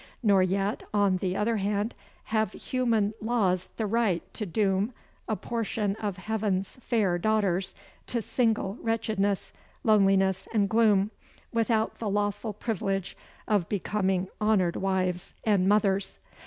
Nor yet, on the other hand, have human laws the right to doom a portion of heaven's fair daughters, to single wretchedness, loneliness and gloom, without the lawful privilege of becoming honoured wives and mothers.